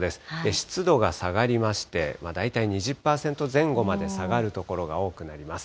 湿度が下がりまして、大体２０％前後まで下がる所が多くなります。